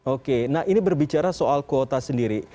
oke nah ini berbicara soal kuota sendiri